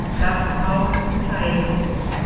Das braucht Zeit.